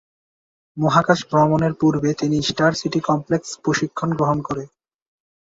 মহাকাশ ভ্রমণের পূর্বে তিনি স্টার সিটি কমপ্লেক্সে প্রশিক্ষণ গ্রহণ করেন।